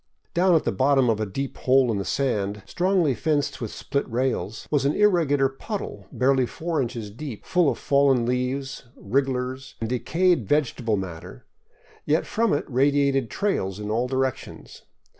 Down at the bottom of a deep hole in the sand, strongly fenced with split rails, was an irregular puddle barely four inches deep, full of fallen leaves, wrigglers, and decayed vegetable matter; yet from it radiated trails in all directions.